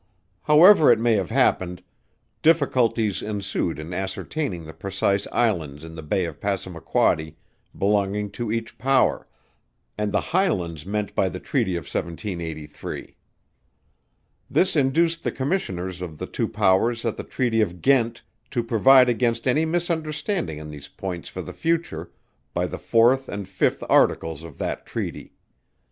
However it may have happened, difficulties ensued in ascertaining the precise Islands in the Bay of Passamaquoddy belonging to each power, and the Highlands meant by the treaty of 1783. This induced the Commissioners of the two Powers at the treaty of Ghent to provide against any misunderstanding on these points for the future, by the fourth and fifth articles of that treaty.